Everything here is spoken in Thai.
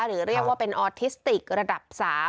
หรือเรียกว่าเป็นออทิสติกระดับ๓